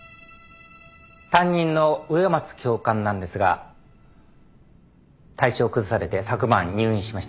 担任の植松教官なんですが体調を崩されて昨晩入院しました。